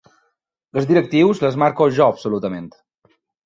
Les directrius les marco jo absolutament.